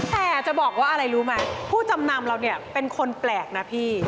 แต่จะบอกว่าอะไรรู้ไหมผู้จำนำเราเนี่ยเป็นคนแปลกนะพี่